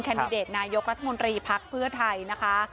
ดิเดตนายกรัฐมนตรีพักเพื่อไทยนะคะ